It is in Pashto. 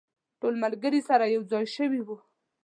ټول ملګري سره یو ځای شوي وو.